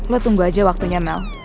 lo tunggu aja waktunya nol